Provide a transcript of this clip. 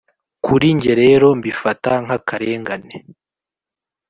Kuri nge rero mbifata nk’akarengane